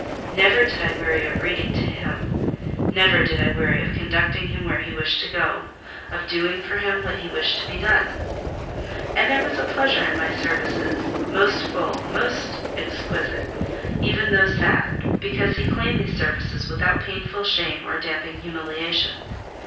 Never did I weary of reading to him; never did I weary of conducting him where he wished to go: of doing for him what he wished to be done. And there was a pleasure in my services, most full, most exquisite, even though sad—because he claimed these services without painful shame or damping humiliation.